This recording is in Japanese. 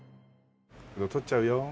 取っちゃうよ